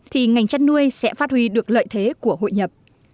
thì ngành chăn nuôi sẽ phát huy được lợi thế của hội nhập